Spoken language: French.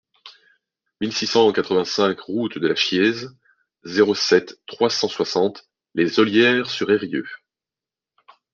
mille six cent quatre-vingt-cinq route de la Chiéze, zéro sept, trois cent soixante, Les Ollières-sur-Eyrieux